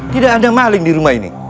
tidak ada maling di rumah ini